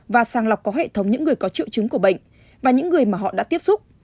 và sàng lọc có hệ thống những người có triệu chứng của bệnh và những người mà họ đã tiếp xúc